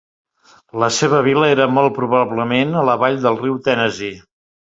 La seva vila era molt probablement a la vall del riu Tennessee.